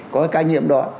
có cái ca nhiễm đó